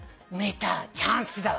チャンスだわ。